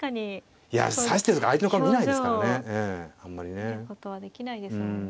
表情を見ることはできないですもんね。